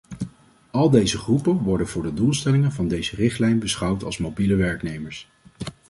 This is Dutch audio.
Al deze groepen worden voor de doelstelling van deze richtlijn beschouwd als mobiele werknemers.